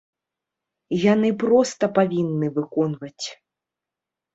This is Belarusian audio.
Яны проста павінны выконваць.